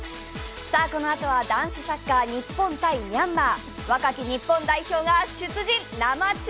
このあとは男子サッカー日本×ミャンマー。